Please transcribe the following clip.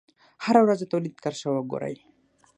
هره ورځ د تولید کرښه وګورئ.